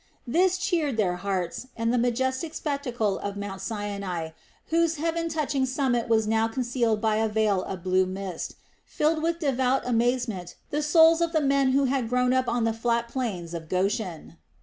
This cheered their hearts, and the majestic spectacle of Mount Sinai, whose heaven touching summit was now concealed by a veil of blue mist, filled with devout amazement the souls of the men who had grown up on the flat plains of Goshen.